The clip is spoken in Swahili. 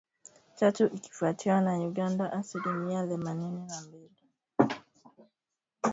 Tatu, ikifuatiwa na Uganda asilimia themanini na mbili.